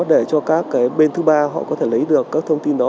để cho các bên thứ ba họ có thể lấy được các thông tin đó